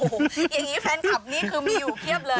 โอ้โหอย่างนี้แฟนคลับนี่คือมีอยู่เพียบเลย